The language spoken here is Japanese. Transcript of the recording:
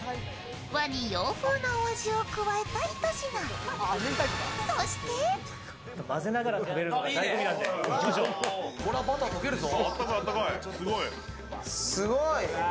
和に洋風なお味を加えたひと品、そしてこれはバターとけるぞ。